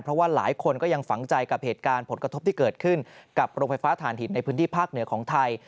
เพราะว่าหลายคนก็ยังฝังใจกับเหตุการณ์ผลกระทบที่เกิดขึ้นกับโรงไฟฟ้าฐานหินในพื้นที่ภาคเหนือของไทย